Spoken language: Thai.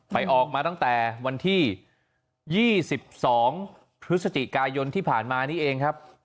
ออกมาตั้งแต่วันที่๒๒พฤศจิกายนที่ผ่านมานี้เองครับ